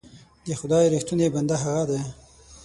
د خدای رښتونی بنده هغه دی.